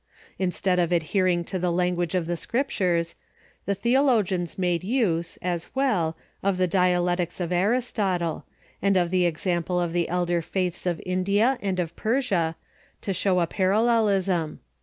Instead of adhering to the language of the Scriptures, the theologians made use, as well, of Unity and ^^ dialectics of Aristotle, and of the example of the Trinity ..'. i elder faiths of India and of Persia, to show a parallel ism.